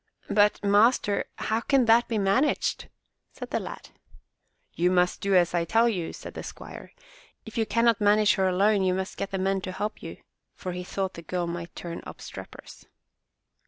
"But master, how can that be managed?'' • said the lad. "You must just do as I tell you," said the squire. "If you cannot manage her alone you must get the men to help you," for he thought the girl might turn obstreperous.